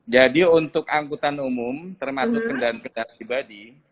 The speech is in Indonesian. jadi untuk angkutan umum termasuk kendaraan kesehatan pribadi